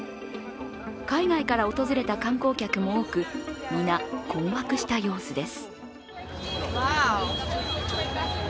海外から訪れた観光客も多く、みな困惑した様子です。